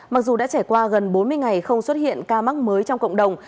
mặc dù đã trải qua gần bốn mươi ngày không xuất hiện ca mắc mới trong cộng đồng